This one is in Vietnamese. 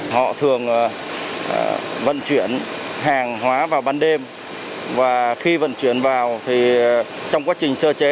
họ thường vận chuyển hàng hóa vào ban đêm và khi vận chuyển vào thì trong quá trình sơ chế